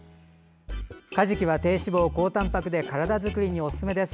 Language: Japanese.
かじきは低脂肪・高たんぱくで体づくりにおすすめです。